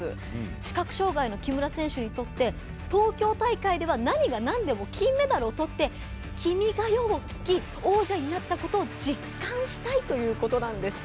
視覚障がいの木村選手にとって東京大会では何がなんでも金メダルをとって「君が代」を聞き王者になったことを実感したいということなんです。